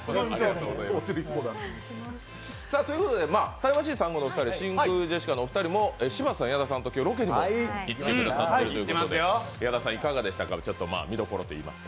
タイムマシーン３号のお二人真空ジェシカのお二人も柴田さん、矢田さんと今日、ロケに行ってくださっているということですが、いかがでしたか、見どころというか。